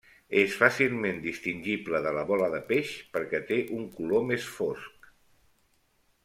És fàcilment distingible de la bola de peix perquè té un color més fosc.